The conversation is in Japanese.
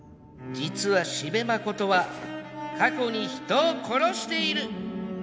実は四部誠は過去に人を殺している。